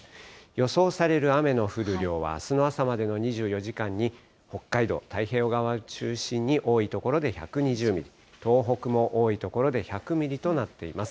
予想される雨の降る量は、あすの朝までの２４時間に、北海道、太平洋側を中心に多い所で１２０ミリ、東北も多い所で１００ミリとなっています。